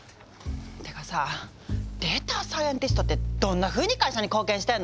てかさデータサイエンティストってどんなふうに会社に貢献してんの？